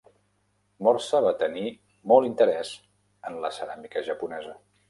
Morse va tenir molt interès en la ceràmica japonesa.